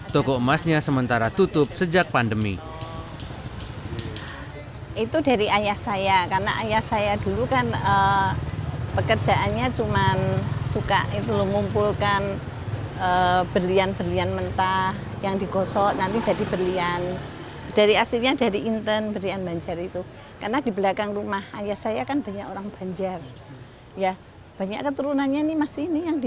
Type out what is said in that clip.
toko emasnya sementara tutup sejak pandemi